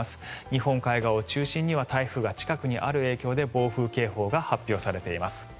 日本海側を中心に台風が近くにある影響で暴風警報が発表されています。